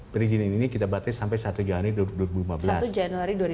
berizin ini kita batasi sampai satu januari